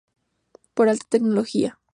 Por alta tecnología.